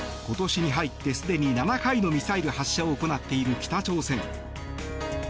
今年に入ってすでに７回のミサイル発射を行っている北朝鮮。